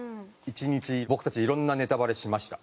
１日僕たちいろんなネタバレしました。